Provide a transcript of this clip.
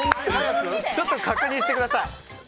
ちょっと確認してください。